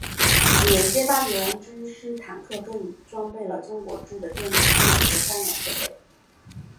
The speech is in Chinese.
有些巴比伦之狮坦克更装备了中国制的电子光学干扰设备。